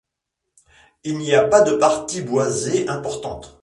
Il n’y a pas de parties boisées importantes.